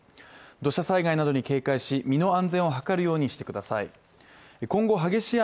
土砂災害などに警戒し身の安全を図るようにしてください。